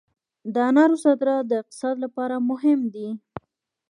د انارو صادرات د اقتصاد لپاره مهم دي